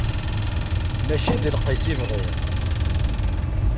Mačči d lqis i bɣiɣ.